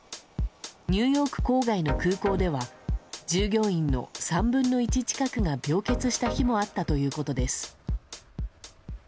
ニューヨーク郊外の空港では従業員の３分の１近くが病欠した日もあったということです。